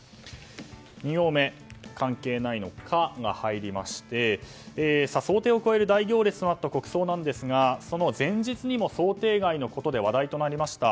２行目、関係ないの「カ」が入りまして想定を超える大行列となった国葬ですがその前日にも想定外のことで話題となりました。